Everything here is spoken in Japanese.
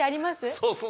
そうそう。